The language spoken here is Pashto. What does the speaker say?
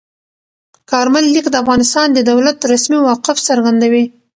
کارمل لیک د افغانستان د دولت رسمي موقف څرګندوي.